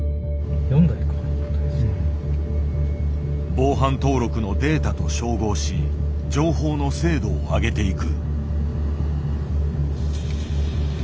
防犯登録のデータと照合し情報の精度を上げていく。